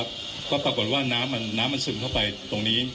คุณผู้ชมไปฟังผู้ว่ารัฐกาลจังหวัดเชียงรายแถลงตอนนี้ค่ะ